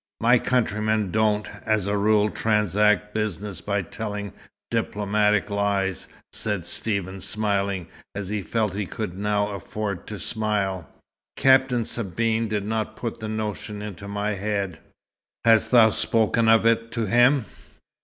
"My countrymen don't, as a rule, transact business by telling diplomatic lies," said Stephen smiling, as he felt that he could now afford to smile. "Captain Sabine did not put the notion into my head." "Hast thou spoken of it to him?"